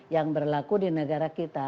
yang berlaku di negara kita